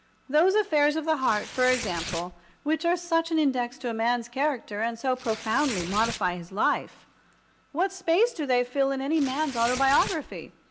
Those affairs of the heart, for example, which are such an index to a man's character, and so profoundly modify his life—what space do they fill in any man's autobiography?